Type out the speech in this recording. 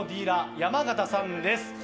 山形さんです。